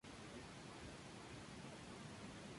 Publicó poesía infantil con el seudónimo de Eduardo Polo.